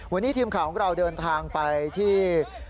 วันนี้ทีมข่าวของเราเดินทางไปที่